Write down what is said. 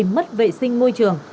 mất vệ sinh môi trường